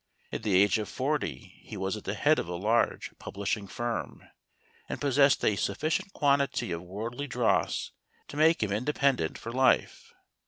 At the age of forty he was at the head of a large pub¬ lishing firm, and possessed a sufficient quantity of worldly dross to make him independent for life.